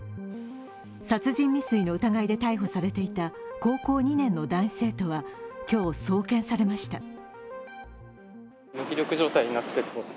殺人未遂の疑いで逮捕されていた高校２年の男子生徒は今日、送検されました。